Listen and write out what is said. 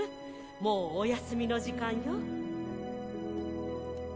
もうお休みの時間よ。